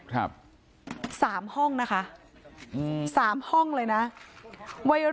สามห้องนะคะ